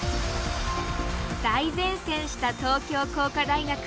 大善戦した東京工科大学。